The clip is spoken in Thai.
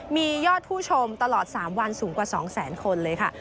มียอดผู้ชมตลอด๓วันสูงกว่า๒แสนคนเลยค่ะ